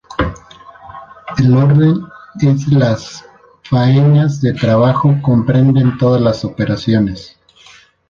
El orden en las faenas de trabajo comprende todas las operaciones.